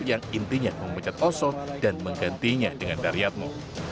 yang intinya memecat oso dan menggantinya dengan daryatmo